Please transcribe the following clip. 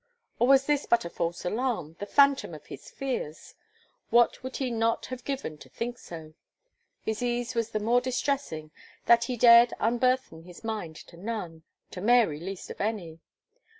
Or was this but a false alarm, the phantom of his fears? what would he not have given to think so! His ease was the more distressing, that he dared unburthen his mind to none, to Mary least of any.